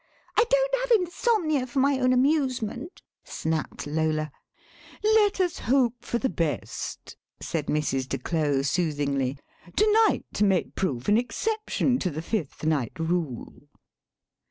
"I don't have insomnia for my own amusement," snapped Lola. "Let us hope for the best," said Mrs. de Claux soothingly; "to night may prove an exception to the fifth night rule."